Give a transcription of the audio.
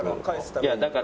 いやだから。